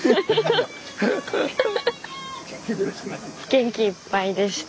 元気いっぱいでした。